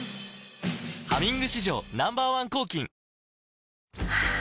「ハミング」史上Ｎｏ．１抗菌ハァ。